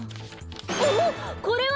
おおっこれは！